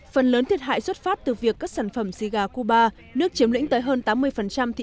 phần lớn thiệt hại xuất phát từ việc các sản phẩm siga cuba nước chiếm lĩnh tới hơn tám mươi thị